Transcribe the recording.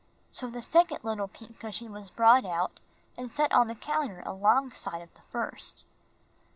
So the second little pink cushion was brought out and set on the counter alongside of the first.